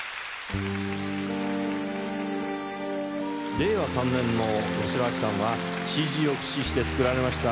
令和３年の八代亜紀さんはＣＧを駆使して作られました